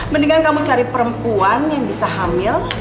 mendingan kamu cari perempuan yang bisa hamil